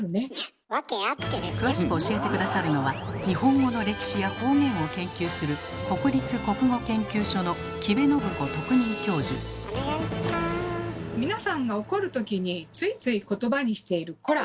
詳しく教えて下さるのは日本語の歴史や方言を研究する皆さんが怒るときについつい言葉にしている「コラ！」